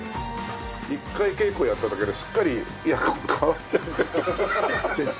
一回稽古やっただけですっかり役が変わっちゃって。